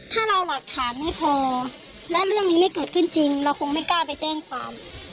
ถ้าเราหลักฐานไม่พอและเรื่องนี้ไม่เกิดขึ้นจริงเราคงไม่กล้าไปแจ้งความ